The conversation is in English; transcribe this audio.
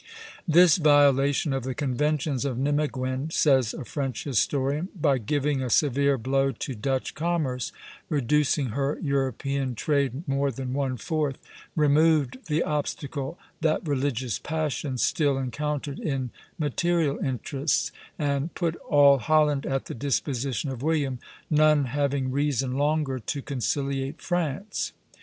"This violation of the conventions of Nimeguen," says a French historian, "by giving a severe blow to Dutch commerce, reducing her European trade more than one fourth, removed the obstacle that religious passions still encountered in material interests, and put all Holland at the disposition of William, none having reason longer to conciliate France."